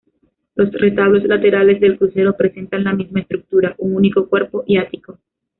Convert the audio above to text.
Los retablos laterales del crucero presentan la misma estructura: un único cuerpo y ático.